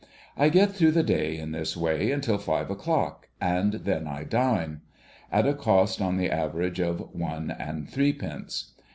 I get through the day in this way until five o'clock, and then I dine : at a cost, on the average, of one and threepence.